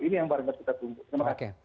ini yang paling harus kita tunggu terima kasih